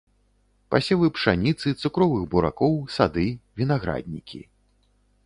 Пасевы пшаніцы, цукровых буракоў, сады, вінаграднікі.